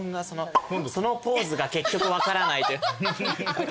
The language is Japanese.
そのポーズが結局分からない。